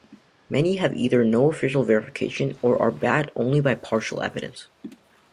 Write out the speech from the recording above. Many have either no official verification or are backed only by partial evidence.